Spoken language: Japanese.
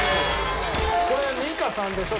これは２か３でしょ？